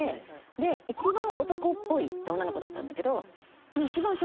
で一番男っぽい女の子だったんだけど。